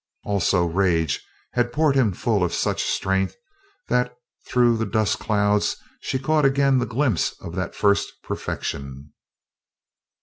Also, rage had poured him full of such strength that through the dust cloud she caught again glimpses of that first perfection.